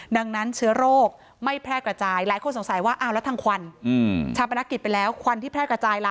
ดังนั้นเชื้อโรคไม่แพร่กระจายหลายคนสงสัยว่าอ้าวแล้วทางควันชาปนกิจไปแล้วควันที่แพร่กระจายล่ะ